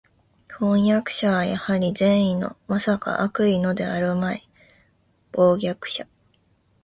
飜訳者はやはり善意の（まさか悪意のではあるまい）叛逆者